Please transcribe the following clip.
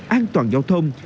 an toàn giao thông